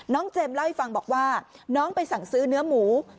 เจมส์เล่าให้ฟังบอกว่าน้องไปสั่งซื้อเนื้อหมู